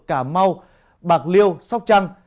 cà mau bạc liêu sóc trăng